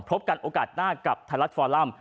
พบกันโอกาสหน้ากับไทยรัฐฟอลัม